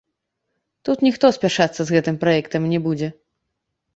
Тут ніхто спяшацца з гэтым праектам не будзе.